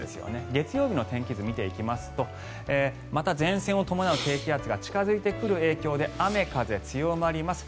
月曜日の天気図を見ていきますとまた前線を伴う低気圧が近付いてくる影響で雨風強まります。